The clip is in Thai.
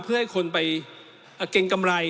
เพื่อให้คนไปเกี่ยวอย่างเก็นกำไร